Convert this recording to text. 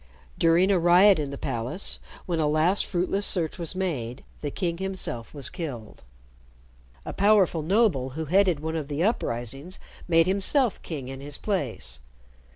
During a riot in the palace, when a last fruitless search was made, the king himself was killed. A powerful noble who headed one of the uprisings made himself king in his place.